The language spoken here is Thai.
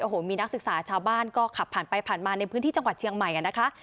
โอ้โหมีนักศึกษาชาวบ้านก็ขับผ่านไปผ่านมาในพื้นที่จังหวัดเชียงใหม่กันนะคะ